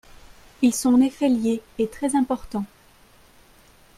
Ils sont en effet liés, et très importants.